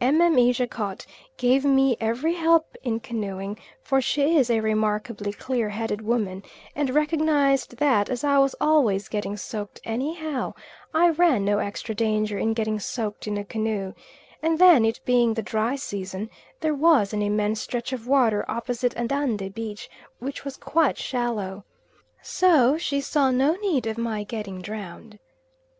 Mme. Jacot gave me every help in canoeing, for she is a remarkably clear headed woman, and recognised that, as I was always getting soaked, anyhow, I ran no extra danger in getting soaked in a canoe; and then, it being the dry season, there was an immense stretch of water opposite Andande beach, which was quite shallow. So she saw no need of my getting drowned.